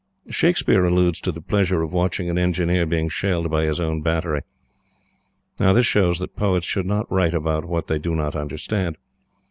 Shakespeare alludes to the pleasure of watching an Engineer being shelled by his own Battery. Now this shows that poets should not write about what they do not understand.